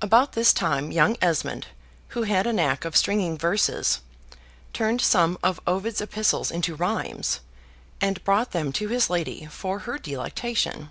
About this time young Esmond, who had a knack of stringing verses, turned some of Ovid's Epistles into rhymes, and brought them to his lady for her delectation.